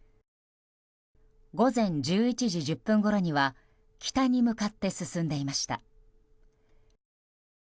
午前１１時１０分ごろには北に向かって進んでいました。